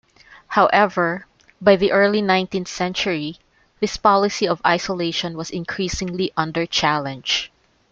However, by the early nineteenth century, this policy of isolation was increasingly under challenge.